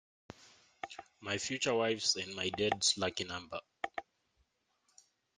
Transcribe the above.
My future wife's and my dad's lucky number.